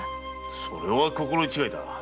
それは心得違いだ。